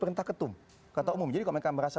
perintah ketum kata umum jadi kalau mereka merasa